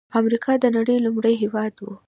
امریکا د نړۍ لومړنی هېواد و.